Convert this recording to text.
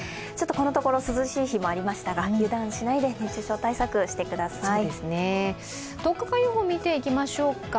ここのところ涼しい日もありましたが、油断しないで、熱中症対策してください。